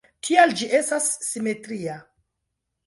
Tial ĝi estas simetria.